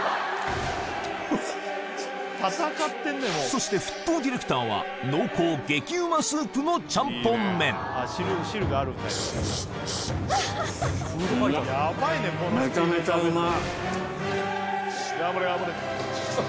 そして沸騰ディレクターは濃厚激うまスープのちゃんぽん麺うまいめちゃめちゃうまい。